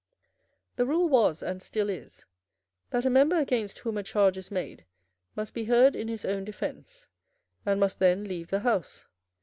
The rule was, and still is, that a member against whom a charge is made must be heard in his own defence, and must then leave the House.